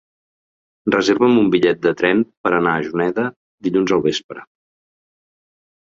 Reserva'm un bitllet de tren per anar a Juneda dilluns al vespre.